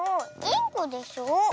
インコでしょ。